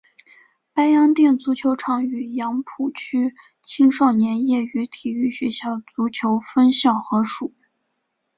白洋淀足球场与杨浦区青少年业余体育学校足球分校合署。